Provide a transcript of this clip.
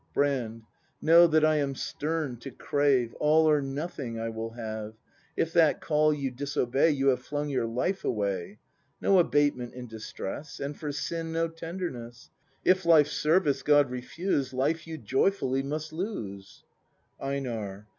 Brand. Know, that I am stern to crave. All or Nothing I will have; If that call you disobey. You have flung your life away. No abatement in distress. And for sin no tenderness, — If life's service God refuse, Life you joyfully must lose, EiNAR.